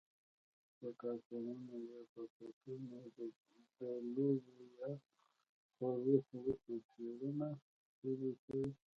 په کارتنونو یا پاکټونو د لوبو یا خوږو خوړو تصویرونه ښکلي کوي؟